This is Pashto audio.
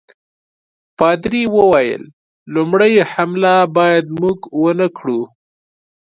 پادري وویل لومړی حمله باید موږ ونه کړو.